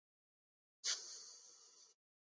سکندر اعظم کی عظیم تعلیم کا درس لیا